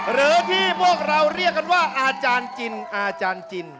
หรือที่พวกเราเรียกกันว่าอาจารย์จิน